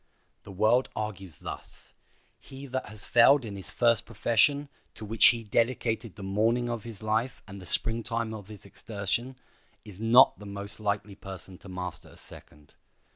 The world argues thus: he that has failed in his first profession, to which he dedicated the morning of his life and the Spring time of his exertion, is not the most likely person to master a second.